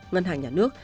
ngân hàng nhà nước